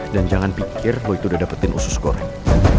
dan jangan pikir lo itu udah dapetin usus goreng